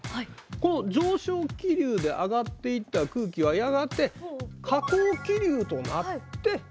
この上昇気流で上がっていった空気はやがて下降気流となって落ちてくる。